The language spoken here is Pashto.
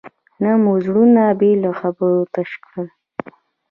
نه مو زړونه بې له خبرو تش کړل.